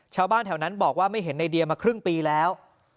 ชาวบ้านแถวนั้นบอกว่าไม่เห็นในเดียมาครึ่งปีแล้ว